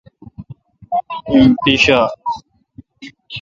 ایم پیݭا ۔